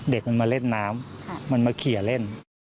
เด็กมันมาเล่นน้ำมันมาเคลียร์เล่น